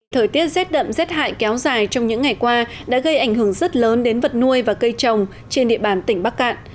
thời tiết rét đậm rét hại kéo dài trong những ngày qua đã gây ảnh hưởng rất lớn đến vật nuôi và cây trồng trên địa bàn tỉnh bắc cạn